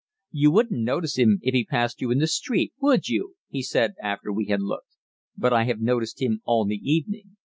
"You wouldn't notice him if he passed you in the street, would you?" he said after we had looked, "but I have noticed him all the evening.